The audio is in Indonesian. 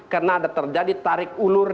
karena ada terjadi tarik ulur